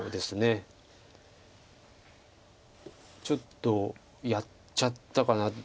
ちょっとやっちゃったかな。